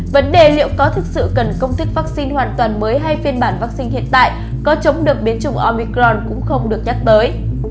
vấn đề liệu có thực sự cần công thức vaccine hoàn toàn mới hay phiên bản vaccine hiện tại có chống được biến chủng omicron cũng không được nhắc tới